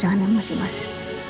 masa enggak masih mas